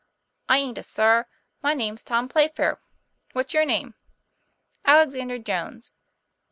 "I aint a sir: my name's Tom Playfair. What's your name?" "Alexander Jones."